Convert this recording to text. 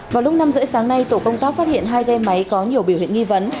vào lúc năm h ba mươi sáng nay tổ công tác phát hiện hai ghe máy có nhiều biểu hiện nghi vấn